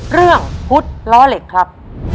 เรื่องพุทธล้อเหล็กครับ